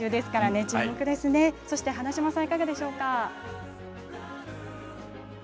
そして、花島さんはいかがでしょうか？